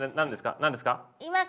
何ですか？